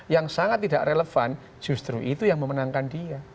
yang sangat tidak relevan justru itu yang memenangkan dia